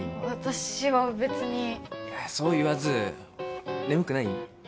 私はべつにいやそう言わず眠くない？